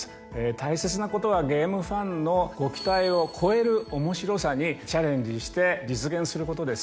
大切なことはゲームファンのご期待を超える面白さにチャレンジして実現することです。